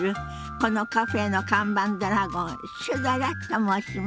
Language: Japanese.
このカフェの看板ドラゴンシュドラと申します。